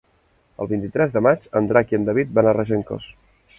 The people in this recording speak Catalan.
El vint-i-tres de maig en Drac i en David van a Regencós.